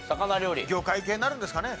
魚介系になるんですかね。